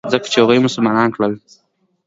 ځکه چې هغوى يې مسلمانان کړل.